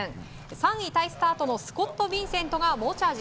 ３位タイスタートのスコット・ビンセントが猛チャージ。